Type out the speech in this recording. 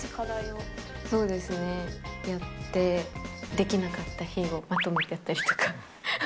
そうですね、やって、できなかった日はまとめてやったりとか。